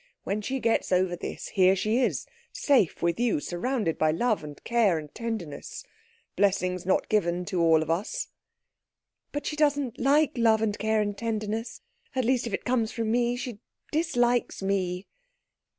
When she gets over this, here she is, safe with you, surrounded by love and care and tenderness blessings not given to all of us." "But she doesn't like love and care and tenderness. At least, if it comes from me. She dislikes me."